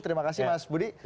terima kasih mas budi